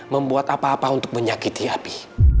membuat apa apa untuk menyakiti api